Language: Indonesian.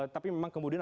tapi memang kemudian